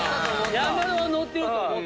山田は乗ってると思った。